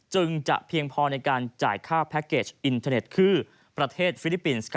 จึงจะเพียงพอในการจ่ายค่าแพ็คเกจอินเทอร์เน็ตคือประเทศฟิลิปปินส์